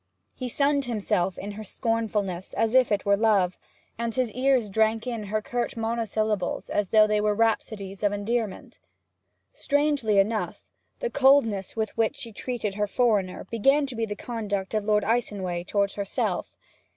He sunned himself in her scornfulness as if it were love, and his ears drank in her curt monosyllables as though they were rhapsodies of endearment. Strangely enough, the coldness with which she treated her foreigner began to be the conduct of Lord Icenway towards herself.